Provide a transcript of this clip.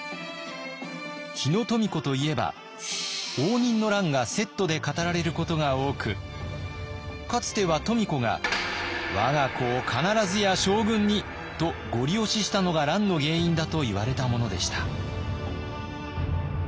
日野富子といえば応仁の乱がセットで語られることが多くかつては富子が「我が子を必ずや将軍に」とゴリ押ししたのが乱の原因だといわれたものでした。